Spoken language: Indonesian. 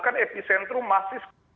kan epicentrum masih sekitar